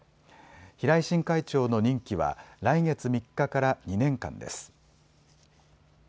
平井新会長の任期は来月３日から２年間です。